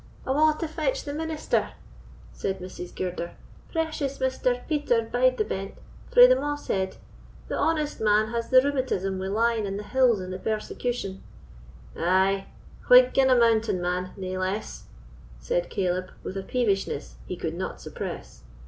"Awa' to fetch the minister," said Mrs. Girder, "precious Mr. Peter Bide the Bent, frae the Mosshead; the honest man has the rheumatism wi' lying in the hills in the persecution." "Ay! Whig and a mountain man, nae less!" said Caleb, with a peevishness he could not suppress.